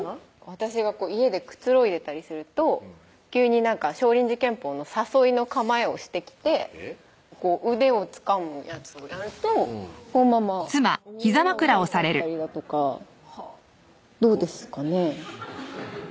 私が家でくつろいでたりすると急に少林寺拳法の誘いの構えをしてきてこう腕をつかむやつをやるとこのまま倒されちゃったりだとかどうですかね？